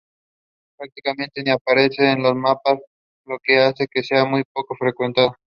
Prácticamente ni aparece en los mapas, lo que hace que sea muy poco frecuentada.